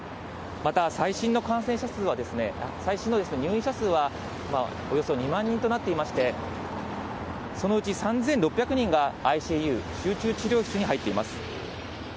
また最新の感染者数は、最新の入院者数はおよそ２万人となっていまして、そのうち３６００人がＩＣＵ・集中治療室に入っています。